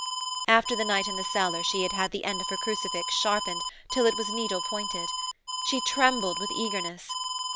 After the night in the cellar she had had the end of her crucifix sharpened till it was needle pointed. She trembled with eagerness.